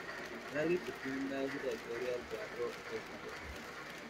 Larga y fecunda es la trayectoria del Teatro Escayola.